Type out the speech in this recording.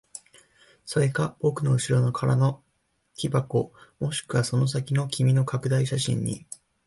それか僕の後ろの空の木箱、もしくはその先の君の拡大写真に。